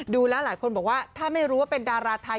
ดูแล้วหลายคนบอกว่าถ้าไม่รู้ว่าเป็นดาราไทย